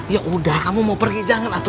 ya udah kamu mau pergi jangan atau